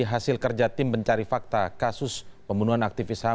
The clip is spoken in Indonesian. hasil kerja tim pencari fakta kasus pembunuhan aktivis ham